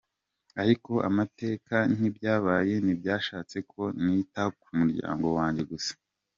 Ariko amateka n’ibyabaye ntibyashatse ko nita ku muryango wanjye gusa.